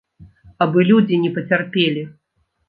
Абы людзі не пацярпелі.